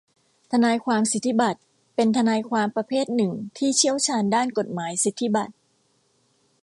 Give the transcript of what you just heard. ทนายความสิทธิบัตรเป็นทนายความประเภทหนึ่งที่เชี่ยวชาญด้านกฎหมายสิทธิบัตร